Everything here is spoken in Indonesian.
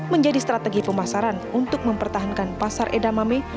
menjadi strategi pemasaran untuk mempertahankan pasar edamame